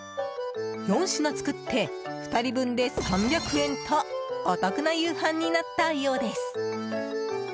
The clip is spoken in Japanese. ４品作って、２人分で３００円とお得な夕飯になったようです。